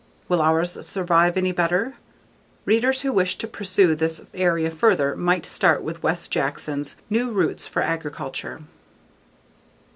Will ours' survive any better? Readers who wish to pursue this area further might start with Wes Jackson's _New Roots for Agriculture.